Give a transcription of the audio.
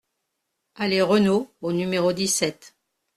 Allée Renault au numéro dix-sept